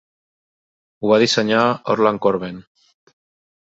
Ho va dissenyar Orland Corben.